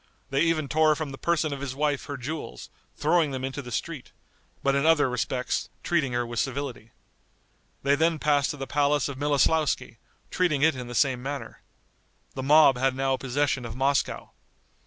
They even tore from the person of his wife her jewels, throwing them into the street, but in other respects treating her with civility. They then passed to the palace of Miloslauski, treating it in the same manner. The mob had now possession of Moscow.